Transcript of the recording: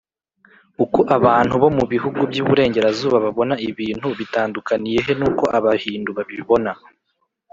uko abantu bo mu bihugu by’iburengerazuba babona ibintu bitandukaniye he n’uko abahindu babibona?